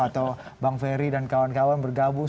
atau bang ferry dan kawan kawan bergabung